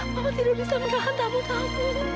mama tidak bisa merahran tabu tabu